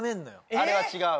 あれは違う？